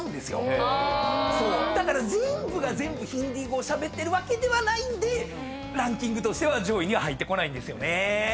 だから全部が全部ヒンディー語をしゃべってるわけではないんでランキングとしては上位には入ってこないんですよね。